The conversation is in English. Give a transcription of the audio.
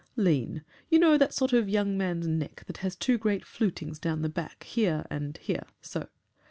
"Lean. You know that sort of young man's neck that has two great flutings down the back, here and here so!